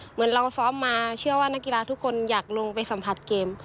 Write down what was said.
เหมือนเราซ้อมมาเชื่อว่านักกีฬาทุกคนอยากลงไปสัมผัสเกม